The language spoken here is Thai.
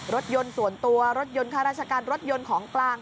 รถยนต์ส่วนตัวรถยนต์ค่าราชการรถยนต์ของกลาง